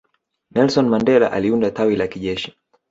nelson mandela aliunda tawi la kijeshi